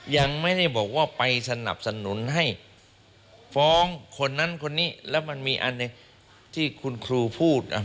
ยังไม่ได้บอกว่าไปสนับสนุนให้ฟ้องคนนั้นคนนี้แล้วมันมีอันหนึ่งที่คุณครูพูด